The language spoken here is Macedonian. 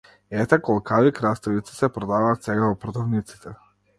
Ете колкави краставици се продаваат сега во продавниците!